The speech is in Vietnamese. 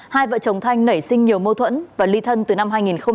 hai vợ chồng thanh nảy sinh nhiều mâu thuẫn và ly thân từ năm hai nghìn một mươi